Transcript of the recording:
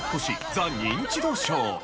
『ザ・ニンチドショー』。